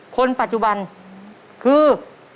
คนปัจจุบันคือ